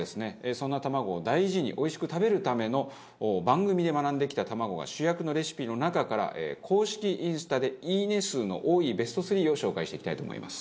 そんな卵を大事においしく食べるための番組で学んできた卵が主役のレシピの中から公式インスタで「いいね」数の多いベスト３を紹介していきたいと思います。